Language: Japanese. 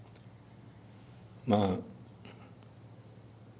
まあ。